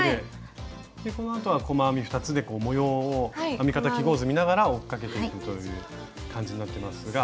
このあとは細編み２つで模様を編み方記号図見ながら追っかけていくという感じになってますが。